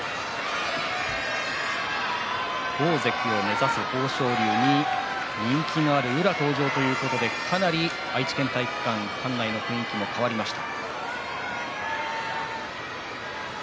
大関を目指す豊昇龍に人気がある宇良登場ということで愛知県体育館かなり館内の雰囲気も変わりました。